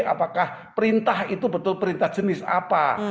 apakah perintah itu betul perintah jenis apa